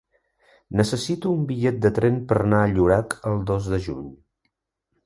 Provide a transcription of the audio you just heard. Necessito un bitllet de tren per anar a Llorac el dos de juny.